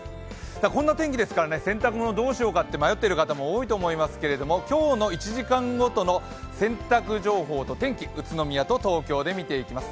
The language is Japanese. こんな天気ですから洗濯物をどうしようか迷っている方もいると思いますが今日の１時間ごとの洗濯情報と天気、宇都宮と東京で見ていきます。